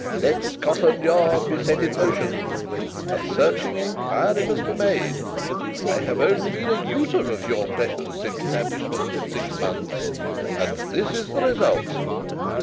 Let Scotland Yard be set in motion. A searching inquiry must be made. I have only been a user of your precious establishment for six months, and this is the result."